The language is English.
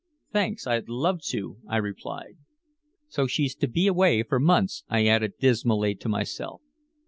"Thanks. I'd love to," I replied. "So she's to be away for months," I added dismally to myself.